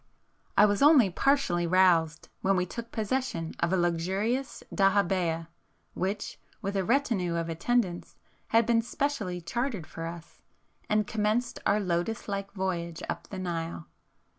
I was only partially roused when we took possession of a luxurious dahabeah, which, with a retinue of attendants, had been specially chartered for us, and commenced our lotus like voyage up the Nile.